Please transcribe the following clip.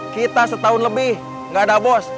kita setahun lebih nggak ada bos